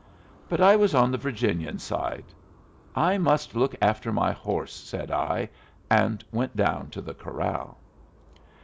But I was on the Virginian's side. "I must look after my horse," said I, and went down to the corral.